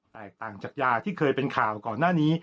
แตกต่างจากยาที่เคยเป็นข่าวก่อนหน้านี้